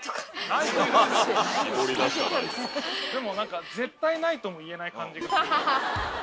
でも何か絶対ないとも言えない感じが。